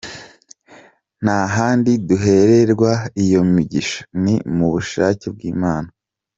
Nta handi duhererwa iyo migisha ni mu bushake bw’Imana.